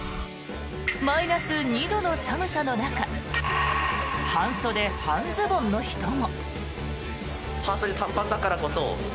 マイナス２度の寒さの中半袖半ズボンの人も。